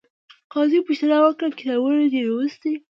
قاضي پوښتنه وکړه، کتابونه یې دې لوستي؟